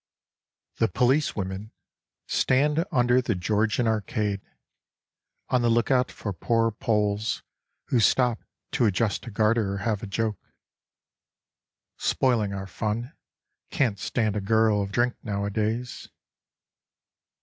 QUADRANT. The policewomen stand under the Georgian arcade On the loolvout for poor polls who stop to adjust a garter or have a joke. Spoiling our fun, can't stand a girl a drink nowadays.